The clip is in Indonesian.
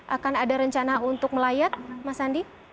akan ada rencana untuk melayat mas andi